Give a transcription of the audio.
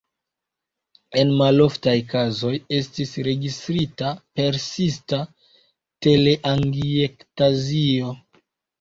En maloftaj kazoj estis registrita persista teleangiektazio.